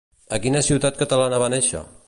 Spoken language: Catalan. A quina ciutat catalana va néixer?